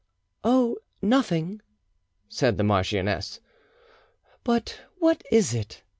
"Oh, nothing," said the marchioness. "But what is it?"